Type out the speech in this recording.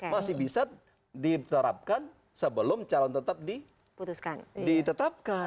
masih bisa diterapkan sebelum calon tetap ditetapkan